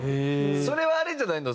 それはあれじゃないの？